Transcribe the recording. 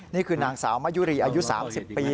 นี่คือนางสาวมะยุรีอายุ๓๐ปี